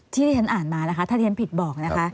ที่ท่านอ่านมาถ้าท่านผิดบอกนะคะ